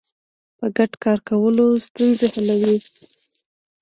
په ګډه کار کول ستونزې حلوي.